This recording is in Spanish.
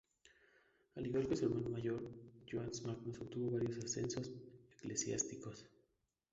Al igual que su hermano mayor, Johannes Magnus, obtuvo varios ascensos eclesiásticos.